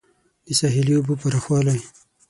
د ساحلي اوبو پراخوالی